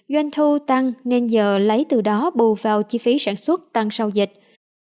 doanh thu tăng nên giờ lấy từ đó bù vào chi phí sản xuất tăng sau dịch